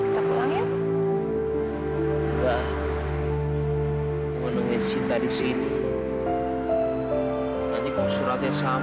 sampai jumpa di video selanjutnya